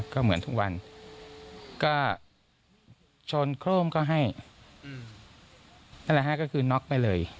ก็เหมือนทุกวันก็ชนโครมก็ให้นั่นแหละฮะก็คือน็อกไปเลย